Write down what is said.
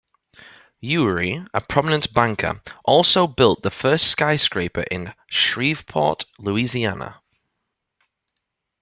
Youree, a prominent banker, also built the first skyscraper in Shreveport, Louisiana.